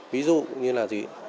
ví dụ như là